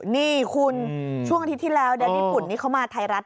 นี่คุณช่วงอาทิตย์ที่แล้วแดนญี่ปุ่นนี่เขามาไทยรัฐ